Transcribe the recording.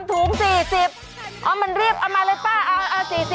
๓ถุง๔๐เอามันรีบเอามาเลยป้า๔๐